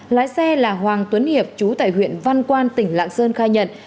lái xe là hoàng tuấn hiệp chú tại huyện văn quan tỉnh lạng sơn khai nhận